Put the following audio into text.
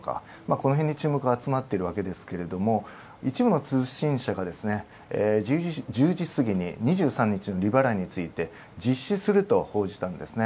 この辺に注目が集まっているわけですけど一部の通信社が１０時過ぎに２３日の利払いについて、実施すると報じたんですね。